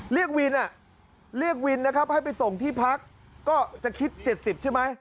เรียกวินเรียกวินนะครับให้ไปส่งที่พักก็จะคิด๗๐ใช่ไหม